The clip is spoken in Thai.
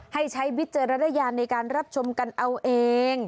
ใช้วิจารณญาณในการรับชมกันเอาเอง